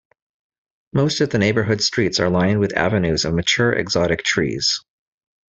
Most of the neighbourhood's streets are lined with avenues of mature exotic trees.